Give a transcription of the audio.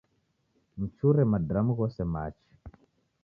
Mchure madramu ghose machi